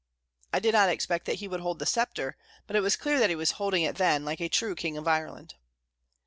I did not expect that he would hold the sceptre, but it was clear that he was holding it then like a true king of Ireland.